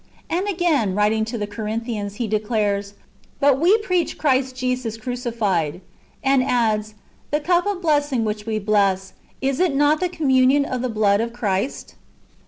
""* And again, writing to the Corinthians, he declares, " But we preach Christ Jesus crucified;"^ and adds, "The cup of blessing which we bless, is it not the communion of the blood of Christ